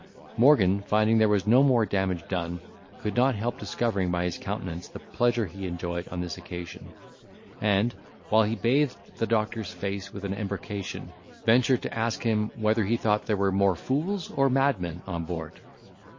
Morgan finding there was no more damage done, could not help discovering by his countenance the pleasure he enjoyed on this occasion; and, while he bathed the doctor's face with an embrocation, ventured to ask him, whether he thought there were more fools or madmen on board?